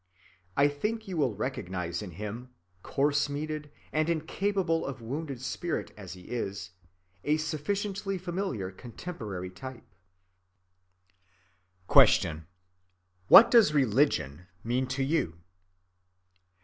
I think you will recognize in him, coarse‐ meated and incapable of wounded spirit as he is, a sufficiently familiar contemporary type. Q. _What does Religion mean to you?